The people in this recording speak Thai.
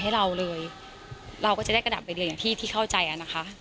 เราก็จะได้กระดับใบเดือนอย่างที่เข้าใจนะคะ